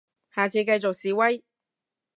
下次繼續示威